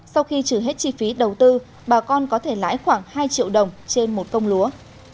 sau khi trừ hết chi phí đầu tư bà con có thể lãi khoảng hai triệu đồng trên một công lúa